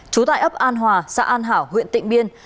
trú tại ấp an hòa xã an hảo huyện tịnh biên